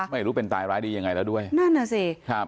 ไม่รู้เป็นตายร้ายดียังไงแล้วด้วยนั่นน่ะสิครับ